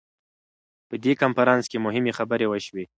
په دې کنفرانس کې مهمې خبرې وشوې.